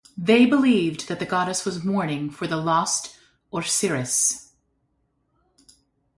They believed that the goddess was mourning for the lost Osiris.